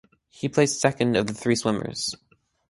He placed second of the three swimmers.